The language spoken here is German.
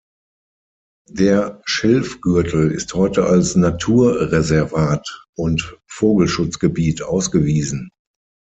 Der Schilfgürtel ist heute als Naturreservat und Vogelschutzgebiet ausgewiesen.